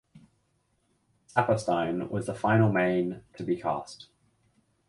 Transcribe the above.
Saperstein was the final main to be cast.